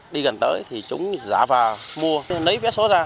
đi gần tới thì chúng giả vào mua lấy vé số ra